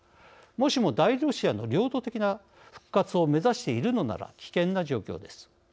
もしも大ロシアの領土的な復活を目指しているのなら危険な状況です。